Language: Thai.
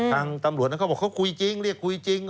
ทางตำรวจเขาบอกเขาคุยจริงเรียกคุยจริง